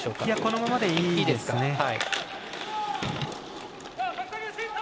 このままでいいですね。